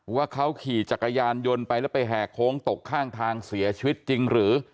ว่าเขาขี่จักรยานยนต์ไปแล้วไปแห่โค้งตกข้างทางเสียชีวิตจริงหรือ